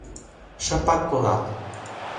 Шыпак колат...